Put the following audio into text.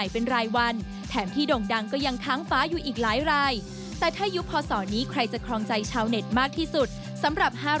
ไปดูกันค่ะ